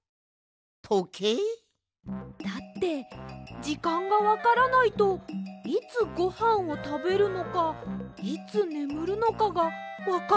とけい？だってじかんがわからないといつごはんをたべるのかいつねむるのかがわかりません！